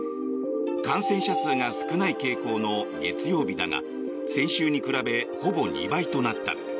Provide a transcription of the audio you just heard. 感染者数が少ない傾向の月曜日だが先週に比べ、ほぼ２倍となった。